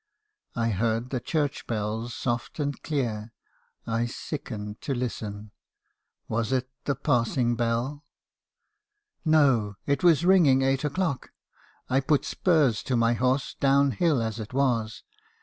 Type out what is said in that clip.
I heard the church bells soft and clear. I sickened to listen. Was it the passing bell? No! — it was ringing eight o'clock. 310 me. hakrison's confessions. I put spurs to my horse , down hill as it was.